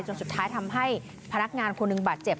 สุดท้ายทำให้พนักงานคนหนึ่งบาดเจ็บ